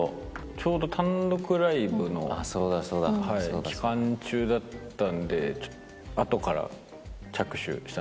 ちょうど単独ライブの期間中だったんで後から着手したんですけど